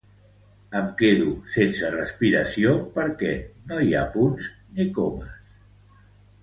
Em quedo sense respiració perquè no hi ha punts ni comes.